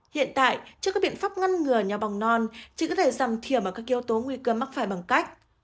hiện tại trước các biện pháp ngăn ngừa nho bong non chỉ có thể giảm thiểm vào các yếu tố nguy cơ mắc phải bằng cách